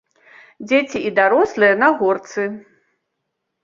Дзеці і дарослыя на горцы.